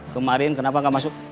kemarin kenapa gak masuk